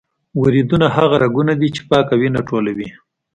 وریدونه هغه رګونه دي چې پاکه وینه ټولوي.